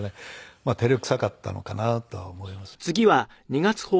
まあ照れくさかったのかなとは思いますね。